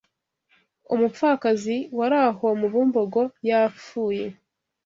umupfakazi wari aho mu Bumbogo yafuye